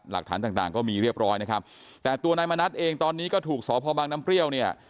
หลักฐานต่างต่างก็มีเรียบร้อยนะครับแต่ตัวนายมณัฐเองตอนนี้ก็ถูกสพบังน้ำเปรี้ยวเนี่ย